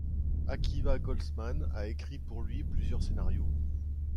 Akiva Goldsman a écrit pour lui plusieurs scénarios.